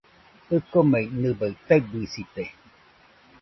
ɨkomei, nɨbaɨ taɨbɨsite.